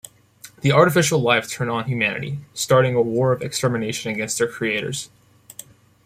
This artificial life turned on humanity, starting a war of extermination against their creators.